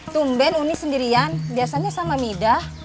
tumben uni sendirian biasanya sama midah